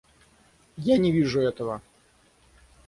Я не вижу этого.